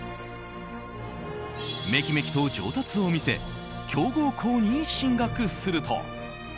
めきめきと上達を見せ強豪校に進学すると。